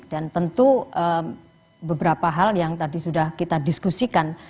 dan tentu beberapa hal yang tadi sudah kita diskusikan